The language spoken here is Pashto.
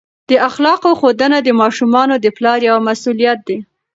د اخلاقو ښودنه د ماشومانو د پلار یوه مسؤلیت دی.